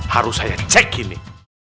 harus saya cek ini